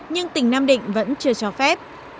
nhưng tỉnh nam định vẫn chưa cho phép